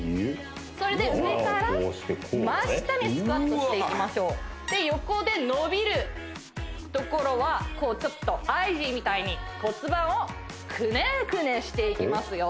それで上から真下にスクワットしていきましょう横で伸びるところはちょっとＩＧみたいに骨盤をクネクネしていきますよ